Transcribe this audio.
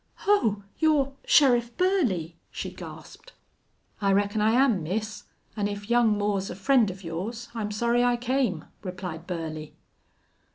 "Oh! You're Sheriff Burley!" she gasped. "I reckon I am, miss, an' if young Moore's a friend of yours I'm sorry I came," replied Burley.